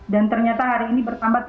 dan ternyata hari ini bertambah teruk